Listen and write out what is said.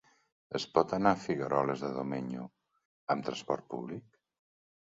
Es pot anar a Figueroles de Domenyo amb transport públic?